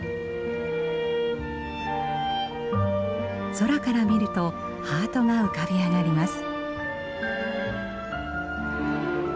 空から見るとハートが浮かび上がります。